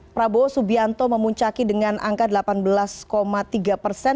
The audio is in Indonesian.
prabowo subianto memuncaki dengan angka delapan belas tiga persen